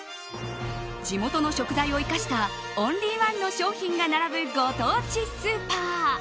地元の食材を生かしたオンリーワンの商品が並ぶご当地スーパー。